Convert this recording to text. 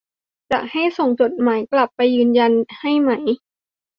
จะให้ส่งจดหมายกลับไปยืนยันให้ไหม